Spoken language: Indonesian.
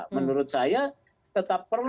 menurut saya tetap perlu